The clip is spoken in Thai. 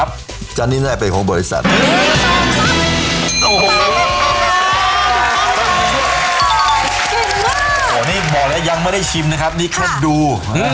อันนี้บอกแล้วยังไม่ได้ชิมนะครับนี่แค่ดู